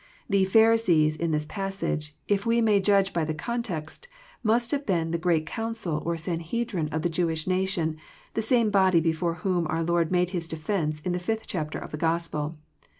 The " Pharisees " in this passage, if we may judge by the context, must have been the great council, or Sanhedrim, of the Jewish nation, the same body before whom our Lord made His defence, in the fifth chapter of this Gospel.